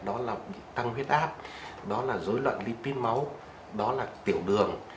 đó là tăng huyết áp đó là dối loạn lipid máu đó là tiểu đường